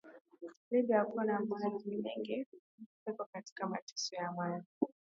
Libya akuna maji mengi weko katika mateso ya maji